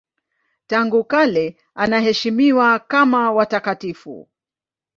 Tangu kale anaheshimiwa kama watakatifu.